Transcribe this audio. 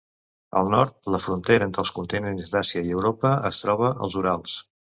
Al nord, la frontera entre els continents d'Àsia i Europa es troba als Urals.